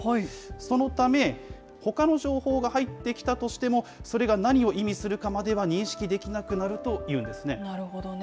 そのため、ほかの情報が入ってきたとしても、それが何を意味するかまでは認識できなくなるというなるほどね。